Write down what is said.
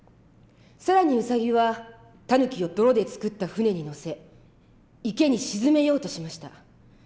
更にウサギはタヌキを泥で作った舟に乗せ池に沈めようとしました。